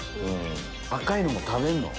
赤いのも食べるの？